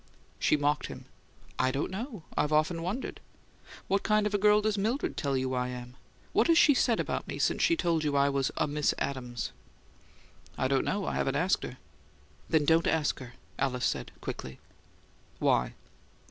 She mocked him. "'I don't know; I've often wondered!' What kind of a girl does Mildred tell you I am? What has she said about me since she told you I was 'a Miss Adams?'" "I don't know; I haven't asked her." "Then DON'T ask her," Alice said, quickly. "Why?"